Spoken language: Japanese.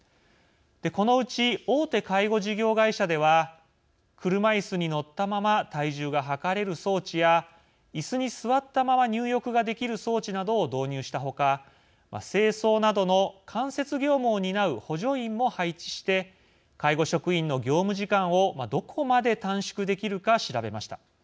このうち、大手介護事業会社では車いすに乗ったまま体重が量れる装置やいすに座ったまま入浴ができる装置などを導入した他清掃などの間接業務を担う補助員も配置して介護職員の業務時間をどこまで短縮できるか調べました。